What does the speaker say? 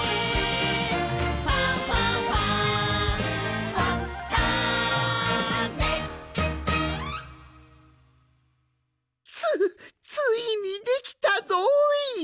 「ファンファンファン」つついにできたぞい！